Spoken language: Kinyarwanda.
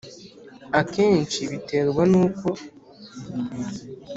Akenshi biterwa n uko